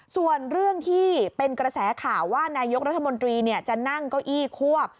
ส่วนเรื่องที่เป็นกระแสข่าวว่านายกรัฐมนตรีจะนั่งเก้าอี้ควบ